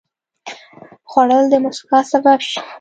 خوړل د مسکا سبب شي